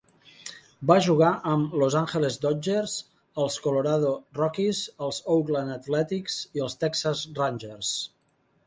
Va jugar amb Los Angeles Dodgers, els Colorado Rockies, els Oakland Athletics i els Texas Rangers.